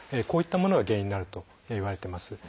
こういったものが原因になるといわれてます。